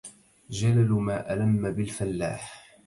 جلل ما الم بالفلاح